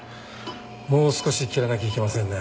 もう少し切らなきゃいけませんね。